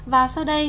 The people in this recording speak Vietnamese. và sau đây